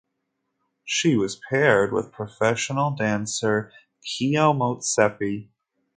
She was paired with professional dancer Keo Motsepe.